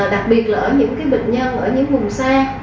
đặc biệt là ở những bệnh nhân ở những vùng xa